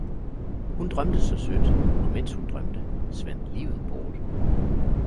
Hun drømte så sødt, og mens hun drømte, svandt livet bort